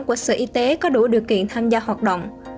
của sở y tế có đủ điều kiện tham gia hoạt động